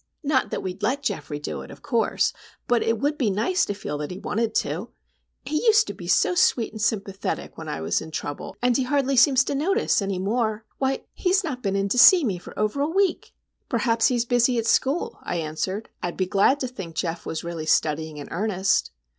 Not that we'd let Geoffrey do it, of course; but it would be nice to feel that he wanted to. He used to be so sweet and sympathetic when I was in trouble; and he hardly seems to notice, any more. Why,—he's not been in to see me for over a week!" "Perhaps he is busy at school," I answered. "I'd be glad to think Geof was really studying in earnest."